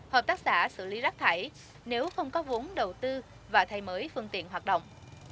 hợp tác xã xử lý rác thải nếu không có vốn đầu tư và thay mới phương tiện hoạt động